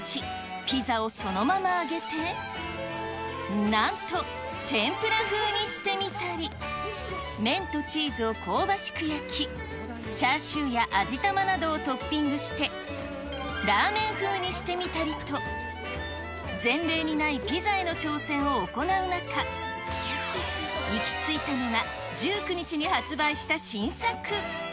ピザをそのまま揚げて、なんと天ぷら風にして見たり、麺とチーズを香ばしく焼き、チャーシューや味玉などをトッピングして、ラーメン風にしてみたりと、前例にないピザへの挑戦を行う中、行き着いたのが１９日に発売した新作。